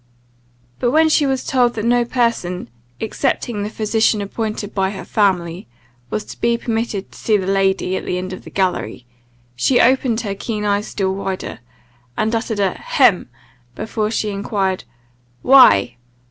But when she was told that no person, excepting the physician appointed by her family, was to be permitted to see the lady at the end of the gallery, she opened her keen eyes still wider, and uttered a "hem!" before she enquired "Why?"